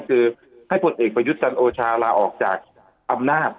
หนึ่งให้ได้ก่อนนั้นคือให้ผลเอกประยุทธ์กันโอชาลาออกจากอำนาจ